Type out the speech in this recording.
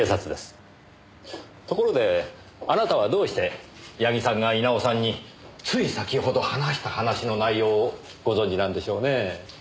ところであなたはどうして矢木さんが稲尾さんについ先ほど話した話の内容をご存じなんでしょうねえ？